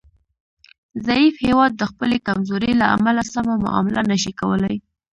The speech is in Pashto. ضعیف هیواد د خپلې کمزورۍ له امله سمه معامله نشي کولای